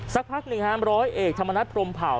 สักพักหนึ่ง๑๐๐เอกสามณพ